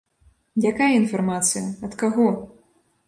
Якая інфармацыя, ад каго?